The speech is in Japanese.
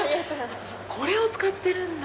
これを使ってるんだ。